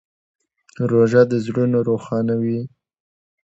روژه د زړونو روښانوي.